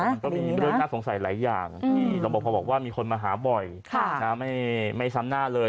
และมีเรื่องง่าสงสัยหลายอย่างพอว่ามีคนมาหาบ่อยไม่ซ้ำหน้าเลย